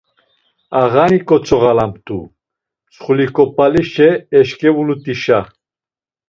Ağani ǩotzoğalamt̆u, Mtsxuliǩop̌aşe eşǩevulut̆işa.